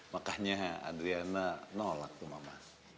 makanya adriana nolak tuh mama